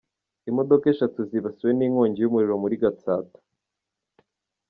Imodoka eshatu zibasiwe n’inkongi y’umuriro mu Gatsata.